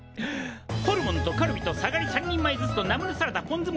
ホルモンとカルビとサガリ３人前ずつとナムルサラダポン酢モツが２つずつ。